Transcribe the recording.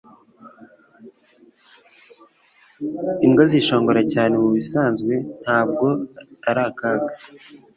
Imbwa zishongora cyane mubisanzwe ntabwo ari akaga